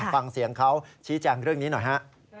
ฟังเสียงเขาชี้แจงเรื่องนี้หน่อยฮะ